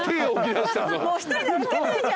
もう一人で歩けないじゃん。